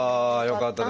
よかった。